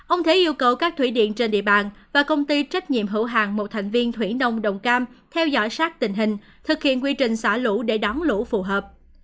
ông thế yêu cầu các thủy điện trên địa bàn và công ty trách nhiệm hữu hàng một thành viên thủy nông đồng cam theo dõi sát tình hình thực hiện quy trình xả lũ để đón lũ phù hợp